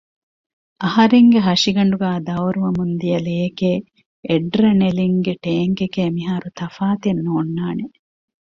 އަހަރެންގެ ހަށިގަނޑުގައި ދައުރުވަމުންދިޔަ ލެޔެކޭ އެޑްރަނެލިންގެ ޓޭންކެކޭ މިހާރު ތަފާތެއް ނޯންނާނެ